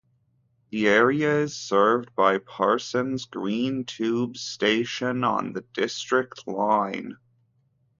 The area is served by Parsons Green tube station on the District line.